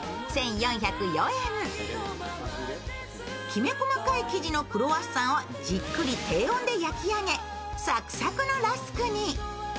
きめ細かい生地のクロワッサンをじっくり低温で焼き上げサクサクのラスクに。